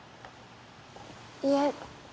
いえ